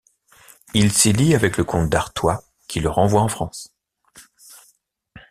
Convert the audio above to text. Il s'y lie avec le comte d'Artois, qui le renvoie en France.